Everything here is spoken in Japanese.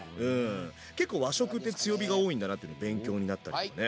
結構和食って強火が多いんだなってのが勉強になったんだよね。